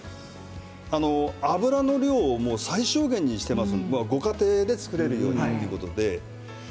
油の量を最小限にしていますのでご家庭で作れるように。